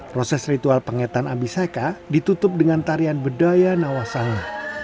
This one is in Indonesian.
proses ritual pengetan abisheka ditutup dengan tarian bedaya nawasana